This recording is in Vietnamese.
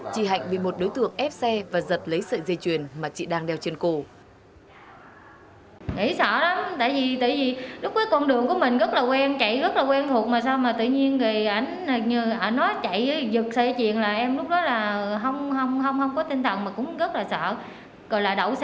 chị hạnh bị một đối tượng ép xe và giật lấy sợi dây chuyền mà chị đang đeo trên cổ